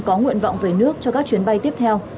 có nguyện vọng về nước cho các chuyến bay tiếp theo